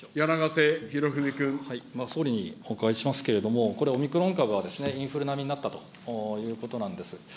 総理にお伺いしますけれども、これはオミクロン株は、インフル並みになったということなんです。